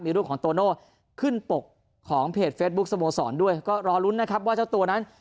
มีรูปของโตโน่ขึ้นปกของเพจเฟซบุ๊คสโมสรด้วยก็รอลุ้นนะครับว่าเจ้าตัวนั้น